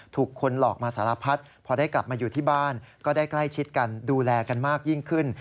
ถูกคนหลอกมาสารพัดพอได้กลับมาอยู่ที่บ้านก็ได้ใกล้ชิดกันดูแลกันมากยิ่งขึ้น